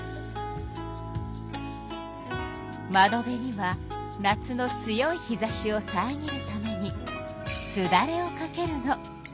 窓辺には夏の強い日ざしをさえぎるためにすだれをかけるの。